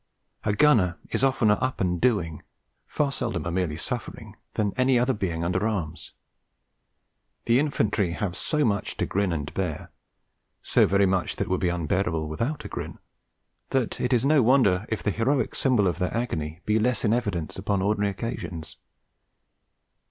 A Gunner is oftener up and doing, far seldomer merely suffering, than any other being under arms. The Infantry have so much to grin and bear, so very much that would be unbearable without a grin, that it is no wonder if the heroic symbol of their agony be less in evidence upon ordinary occasions.